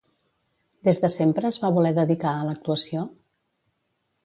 Des de sempre es va voler dedicar a l'actuació?